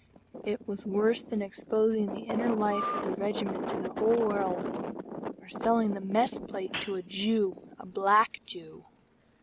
It was worse than exposing the inner life of the Regiment to the whole world, or selling the Mess Plate to a Jew a black Jew.